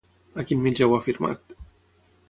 A quin mitjà ho ha afirmat?